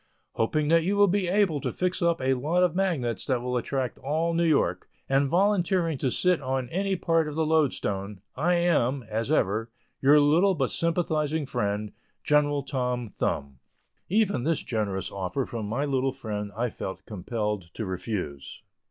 Hoping that you will be able to fix up a lot of magnets that will attract all New York, and volunteering to sit on any part of the loadstone, I am, as ever, your little but sympathizing friend, GEN. TOM THUMB. Even this generous offer from my little friend I felt compelled to refuse.